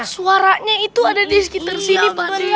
suaranya itu ada di sekitar sini pak